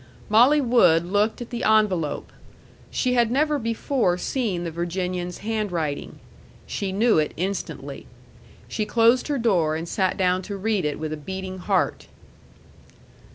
Molly Wood looked at the envelope. She had never before seen the Virginian's handwriting. She knew it instantly. She closed her door and sat down to read it with a beating heart.